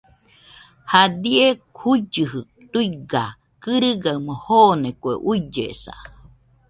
Jadie juillɨji tuiga kɨrɨgaɨmo joone kue ullesa.